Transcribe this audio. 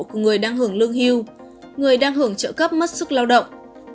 của người đang hưởng lương hưu người đang hưởng trợ cấp mất sức lao động